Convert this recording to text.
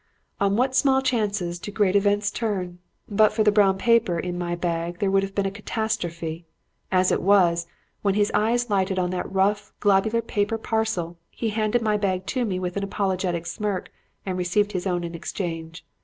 "On what small chances do great events turn! But for the brown paper in my bag, there would have been a catastrophe. As it was, when his eye lighted on that rough, globular paper parcel he handed me my bag with an apologetic smirk and received his own in exchange.